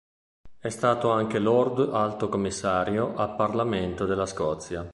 È stato anche Lord Alto Commissario al Parlamento della Scozia.